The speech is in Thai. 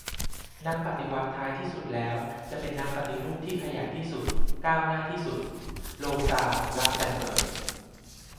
"นักปฏิวัติท้ายที่สุดแล้วจะเป็นนักปฏิรูปที่ขยันที่สุด ก้าวหน้าที่สุด " - โรซา ลักเซมเบิร์ก